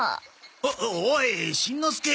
おっおいしんのすけ。